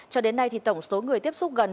cho đến nay tổng số người tiếp xúc gần